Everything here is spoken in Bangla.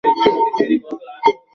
তুমি বড্ড লম্বা।